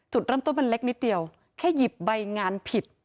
จุดเริ่มต้นมันเล็กนิดเดียวแค่หยิบใบงานผิด